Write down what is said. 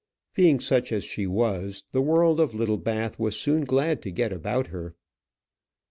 Being such as she was, the world of Littlebath was soon glad to get about her.